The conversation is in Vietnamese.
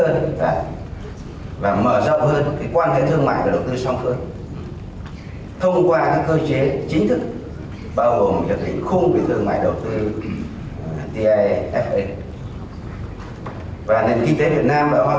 năm hai nghìn một mươi bảy đã đạt năm mươi bốn tỷ đô và đạt bức kỷ lục sáu mươi ba tỷ đô vào năm hai nghìn một mươi tám